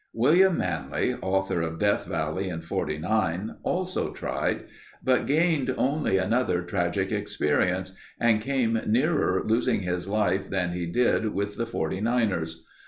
William Manly, author of "Death Valley in Forty Nine" also tried but gained only another tragic experience and came nearer losing his life than he did with the Forty Niners.